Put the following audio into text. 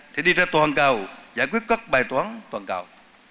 thì đi ra toàn cầu giải quyết các bài toán toàn cầu